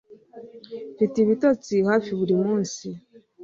Mfite ibitotsi hafi buri munsi